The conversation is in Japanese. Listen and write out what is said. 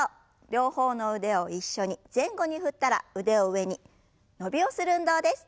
両方の腕を一緒に前後に振ったら腕を上に伸びをする運動です。